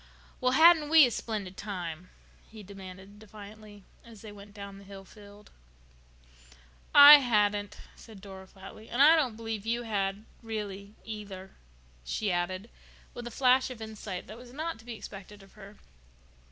"Well, hadn't we a splendid time?" he demanded defiantly, as they went down the hill field. "I hadn't," said Dora flatly. "And I don't believe you had—really—either," she added, with a flash of insight that was not to be expected of her.